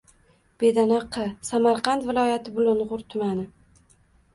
Bedana – q., Samarqad viloyati Bulung‘ur tumani.